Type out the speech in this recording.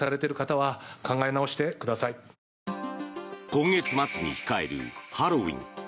今月末に控えるハロウィーン。